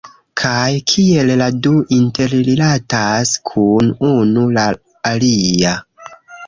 Kaj kiel la du interrilatas kun unu la alia